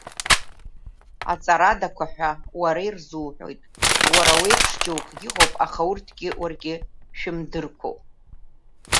Аҵарадақәаҳәауараирзуҳәоит, уарауеиԥшџьоукгьы ыҟоуп, аха урҭгьы уаргьы шәымдырқәоуп.